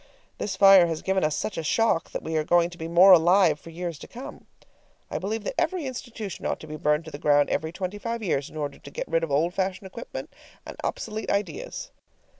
This fire has given us such a shock that we are going to be more alive for years to come. I believe that every institution ought to be burned to the ground every twenty five years in order to get rid of old fashioned equipment and obsolete ideas.